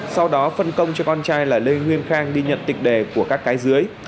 sau đó phân công cho con trai là lê nguyên khang đi nhận tịch đề của các cái dưới